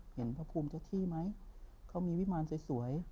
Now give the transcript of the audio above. พระภูมิเจ้าที่ไหมเขามีวิมารสวย